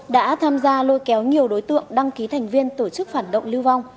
đã tham gia lôi kéo nhiều đối tượng đăng ký thành viên tổ chức phản động lưu vong